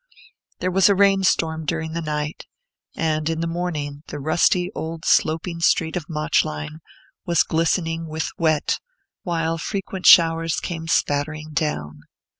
There was a rain storm during the night, and, in the morning, the rusty, old, sloping street of Mauchline was glistening with wet, while frequent showers came spattering down.